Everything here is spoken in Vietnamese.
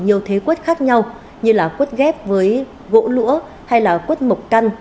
nhiều thế quất khác nhau như là quất ghép với gỗ lũa hay là quất mộc căn